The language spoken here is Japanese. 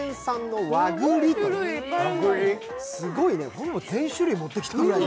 ほぼ全種類持ってきたぐらい。